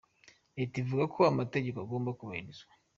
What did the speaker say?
Leta ivuga ko amategeko agomba kubahirizwa.